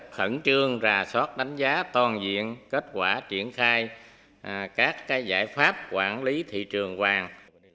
khẩn trương rà soát đánh giá toàn diện kết quả triển khai các giải pháp quản lý thị trường vàng